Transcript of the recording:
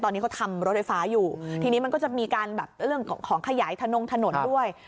ตอนนี้เขาทำรถไฟฟ้าอยู่ทีนี้มันก็จะมีการแบบเรื่องของขยายถนนด้วย